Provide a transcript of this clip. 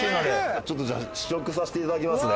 ちょっと試食させていただきますね。